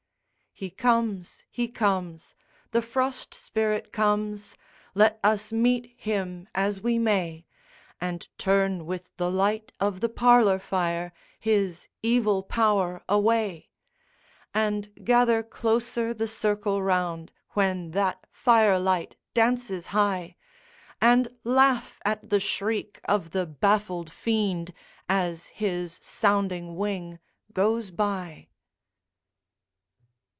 He comes, he comes, the Frost Spirit comes! Let us meet him as we may, And turn with the light of the parlor fire his evil power away; And gather closer the circle round, when that fire light dances high, And laugh at the shriek of the baffled Fiend as his sounding wing goes by!